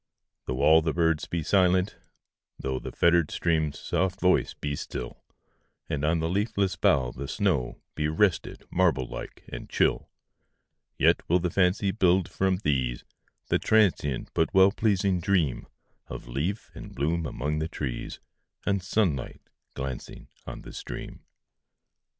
Though all the birds be silent,—thoughThe fettered stream's soft voice be still, And on the leafless bough the snowBe rested, marble like and chill,—Yet will the fancy build, from these, The transient but well pleasing dreamOf leaf and bloom among the trees, And sunlight glancing on the stream.